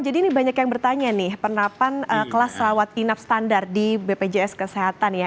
jadi banyak yang bertanya nih penerapan kelas rawat inap standar di bpjs kesehatan ya